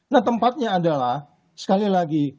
nah tempatnya adalah sekali lagi